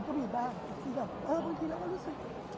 พี่คิดว่าเข้างานทุกครั้งอยู่หรือเปล่า